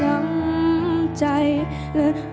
หวังว่าใจเขาคงดี